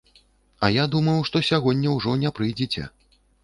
А я думаў, што сягоння ўжо не прыйдзеце.